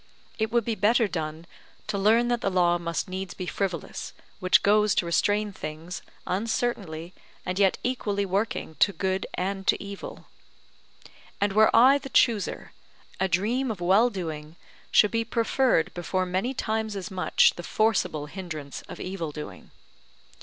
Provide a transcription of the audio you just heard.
It would be better done, to learn that the law must needs be frivolous, which goes to restrain things, uncertainly and yet equally working to good and to evil. And were I the chooser, a dream of well doing should be preferred before many times as much the forcible hindrance of evil doing.